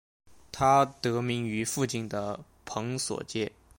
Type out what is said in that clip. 它得名于附近的蓬索街。